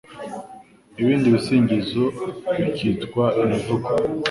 ibindi bisingizo bikitwa imivugo.